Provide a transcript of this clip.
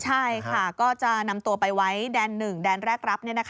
ใช่ค่ะก็จะนำตัวไปไว้แดน๑แดนแรกรับ